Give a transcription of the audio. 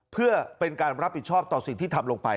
เพื่อเป็นการรับผิดชอบต่อสิ่งที่ทำลงไป